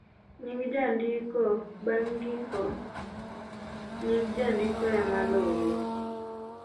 nying' jandiko.bang' giko ,nying' jandiko ema luwe